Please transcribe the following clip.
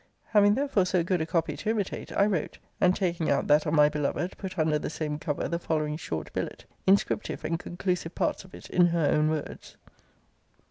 Having therefore so good a copy to imitate, I wrote; and, taking out that of my beloved, put under the same cover the following short billet; inscriptive and conclusive parts of it in her own words.